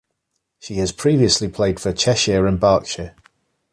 She has previously played for Cheshire and Berkshire.